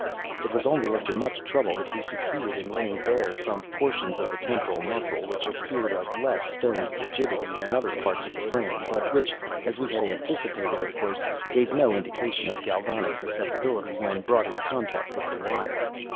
It was only after much trouble that we succeeded in laying bare some portions of the temporal muscle which appeared of less stony rigidity than other parts of the frame, but which, as we had anticipated, of course, gave no indication of galvanic susceptibility when brought in contact with the wire.